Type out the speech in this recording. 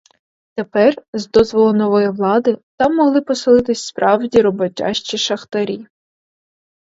Тепер, з дозволу нової влади, там могли поселитися справді роботящі шахтарі.